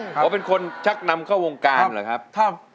เขาเป็นคนชักนำเข้าวงการเหรอครับ